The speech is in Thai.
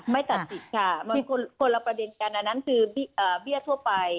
ไม่ตัดสิทธิ์ค่ะคนละประเด็นกันอันนั้นคือเบี้ยทั่วไป